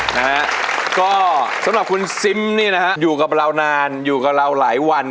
นะฮะก็สำหรับคุณซิมนี่นะฮะอยู่กับเรานานอยู่กับเราหลายวัน